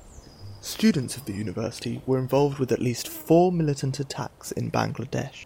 Students of the university were involved with at least four militant attacks in Bangladesh.